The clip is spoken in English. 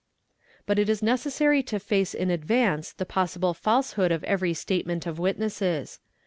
But it is necessary to face in ad | vance the possible falsehood of every statement of witnesses.